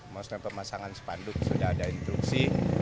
maksudnya pemasangan sepanduk sudah ada instruksi